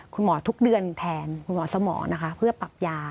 คุณหมอทุกเดือนแทนคุณหมอสมองนะคะเพื่อปรับยา